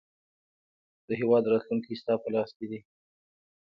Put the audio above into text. د هیواد راتلونکی ستا په لاس کې دی.